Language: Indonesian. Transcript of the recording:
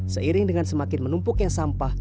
seiring dengan semakin menumpuknya sampah